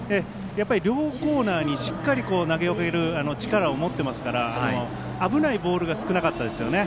両コーナーにしっかり投げ分ける力を持っていますから危ないボールが少なかったですよね。